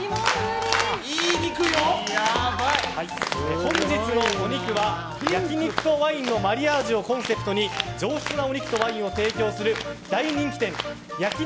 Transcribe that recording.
本日のお肉は焼き肉とワインのマリアージュをコンセプトに上質なお肉とワインを提供する大人気店焼肉